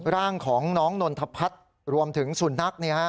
ร่างของน้องนนทพัฒน์รวมถึงสุนัข